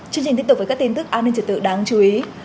chương trình tiếp tục với các tin tức an ninh trật tự đáng chú ý